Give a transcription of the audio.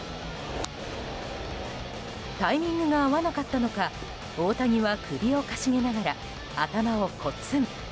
タイミングが合わなかったのか大谷は首をかしげながら頭をこつん。